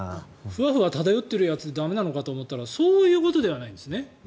ふわふわ漂ってるやつ駄目なのかと思ったらそういうことではないんですね。